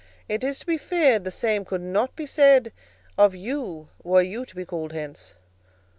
It is to be feared the same could not be said of you were you to be called hence."